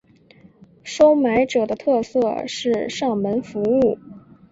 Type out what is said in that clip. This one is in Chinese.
收买者的特色是上门服务。